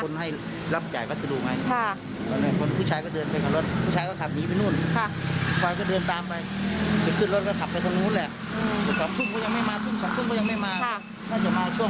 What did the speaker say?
เพราะว่าเทลากันเกือบถึงตอนสองทั้งก่อน